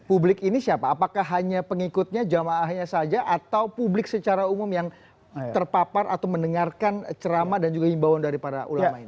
publik ini siapa apakah hanya pengikutnya jamaahnya saja atau publik secara umum yang terpapar atau mendengarkan ceramah dan juga himbauan dari para ulama ini